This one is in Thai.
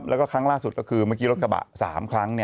แล้วก็ครั้งล่าสุดก็คือเมื่อกี้รถกระบะ๓ครั้ง